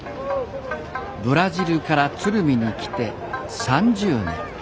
ブラジルから鶴見に来て３０年。